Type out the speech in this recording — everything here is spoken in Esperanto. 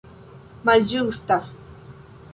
malĝusta